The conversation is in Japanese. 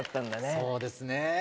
そうですね。